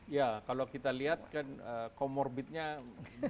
ya kalau kita lihat kan komorbidnya berbagai macam